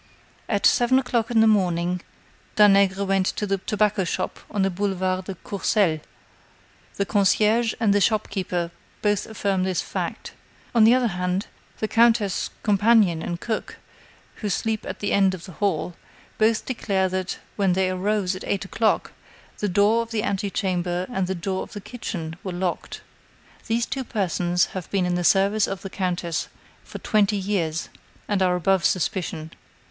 At seven o'clock in the morning, Danègre went to the tobacco shop on the Boulevard de Courcelles; the concierge and the shop keeper both affirm this fact. On the other hand, the countess' companion and cook, who sleep at the end of the hall, both declare that, when they arose at eight o'clock, the door of the antechamber and the door of the kitchen were locked. These two persons have been in the service of the countess for twenty years, and are above suspicion.